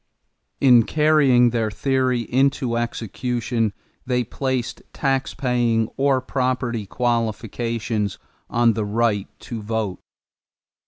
In carrying their theory into execution they placed taxpaying or property qualifications on the right to vote.